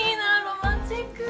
ロマンチック。